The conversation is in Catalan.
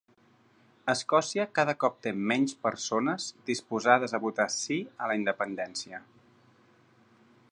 Escòcia cada cop té menys persones disposades a votar sí a la independència